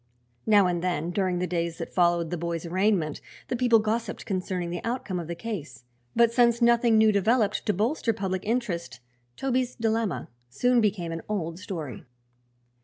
Now and then, during the days that followed the boy's arraignment, the people gossiped concerning the outcome of the case, but since nothing new developed to bolster public interest Toby's dilemma soon became an old story.